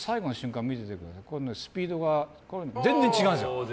最後スピードが全然違うんです。